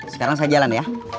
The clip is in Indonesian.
sekarang saya jalan ya